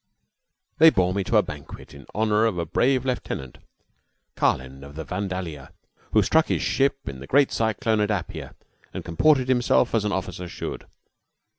They bore me to a banquet in honor of a brave lieutenant Carlin, of the "Vandalia" who stuck by his ship in the great cyclone at Apia and comported himself as an officer should.